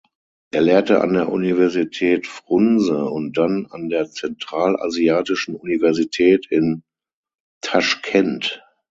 Er lehrte an der Universität Frunse und dann an der Zentralasiatischen Universität in Taschkent.